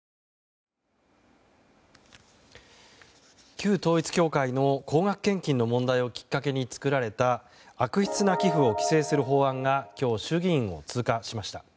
旧統一教会の高額献金の問題をきっかけに作られた悪質な寄付を規制する法案が今日、衆議院を通過しました。